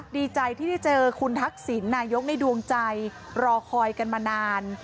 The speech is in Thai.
ดีใจที่ได้เจอคุณทักษิณนายกในดวงใจรอคอยกันมานาน